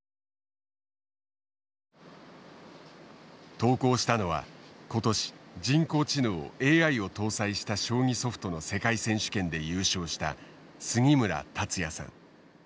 投稿したのは今年人工知能ＡＩを搭載した将棋ソフトの世界選手権で優勝した杉村達也さん。